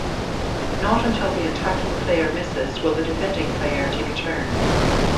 Not until the attacking player misses will the defending player take a turn.